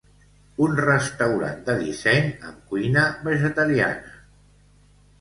Un restaurant de disseny, amb cuina vegetariana.